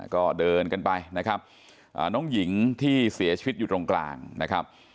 ก็เดินกันไปนะครับน้องหญิงที่เสียชีวิตอยู่ตรงกลางนะครับ